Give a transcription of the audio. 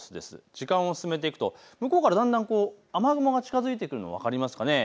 時間を進めていくと向こうからだんだん雨雲が近づいてくるの、分かりますかね。